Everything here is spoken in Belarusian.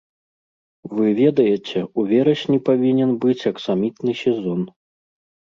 Вы ведаеце, у верасні павінен быць аксамітны сезон.